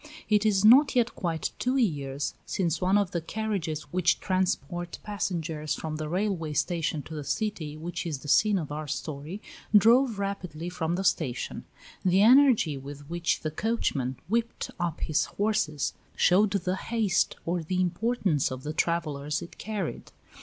It is not yet quite two years since one of the carriages which transport passengers from the railway station to the city which is the scene of our story, drove rapidly from the station; the energy with which the coachman whipped up his horses showed the haste or the importance of the travellers it carried.